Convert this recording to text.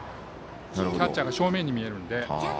キャッチャーが正面に見えるので。